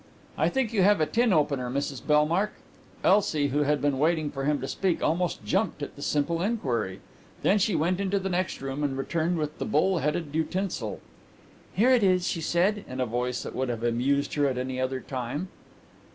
"I think you have a tin opener, Mrs Bellmark?" Elsie, who had been waiting for him to speak, almost jumped at the simple inquiry. Then she went into the next room and returned with the bull headed utensil. "Here it is," she said, in a voice that would have amused her at any other time.